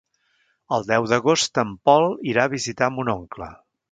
El deu d'agost en Pol irà a visitar mon oncle.